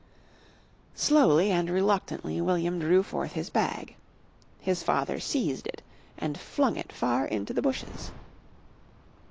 Slowly and reluctantly William drew forth his bag. His father seized it and flung it far into the bushes.